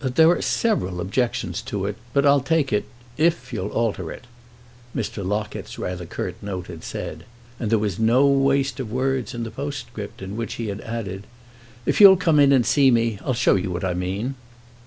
I. "THERE are several objections to it, but I'll take it if you'll alter it," Mr. Locket's rather curt note had said; and there was no waste of words in the postscript in which he had added: "If you'll come in and see me, I'll show you what I mean."